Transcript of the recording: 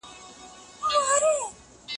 اسلام د مال او ملکیت ساتونکی دی.